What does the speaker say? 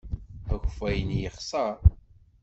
Akeffay-nni yexṣer.